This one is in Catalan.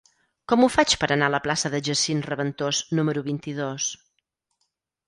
Com ho faig per anar a la plaça de Jacint Reventós número vint-i-dos?